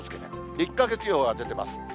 １か月予報が出ています。